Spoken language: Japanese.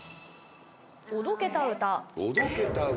「おどけた歌」